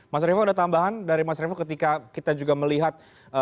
mas revo ada tambahan dari mas revo ketika kita juga melihat